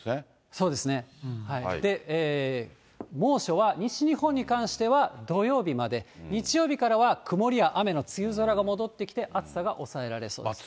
そうですね、で、猛暑は西日本に関しては土曜日まで、日曜日からは曇りや雨の梅雨空が戻ってきて、暑さが抑えられそうです。